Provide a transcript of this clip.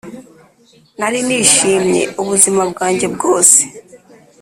nari nishimye ubuzima bwanjye bwose.